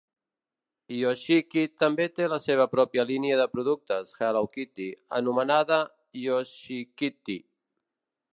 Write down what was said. Yoshiki també té la seva pròpia línia de productes Hello Kitty, anomenada "Yoshikitty".